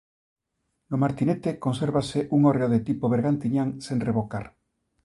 No Martinete consérvase un hórreo de tipo bergantiñán sen revocar.